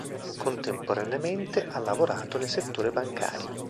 Contemporaneamente ha lavorato nel settore bancario.